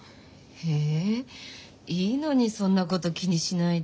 えぇいいのにそんなこと気にしないで。